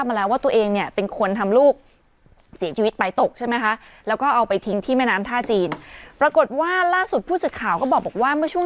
แต่อันนี้คือไม่แน่ใจเลยอันนี้หนังปลาแต่ชิม